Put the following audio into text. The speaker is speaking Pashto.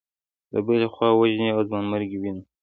له بلې خوا وژنې او ځانمرګي وینو.